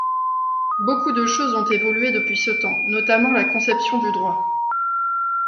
Beaucoup de choses ont évolué depuis ce temps, notamment la conception du droit.